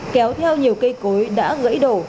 kéo theo nhiều cây cối đã gãy đổ